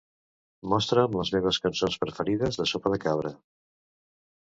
Mostra'm les meves cançons preferides de Sopa de Cabra.